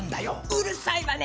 うるさいわね。